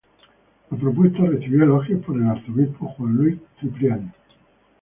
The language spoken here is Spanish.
La propuesta recibió elogios por el arzobispo Juan Luis Cipriani.